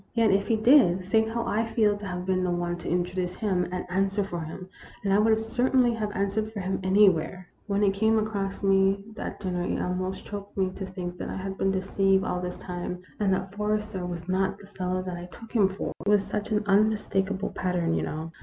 Yet if he did, think how I feel to have been the one to in troduce him and answer for him, and I would cer tainly have answered for him anywhere ! "When it came across me at dinner it almost choked me to think that I had been deceived all this time, and that Forrester was not the fellow that I took him for. It was such an unmistakable pat tern, you know.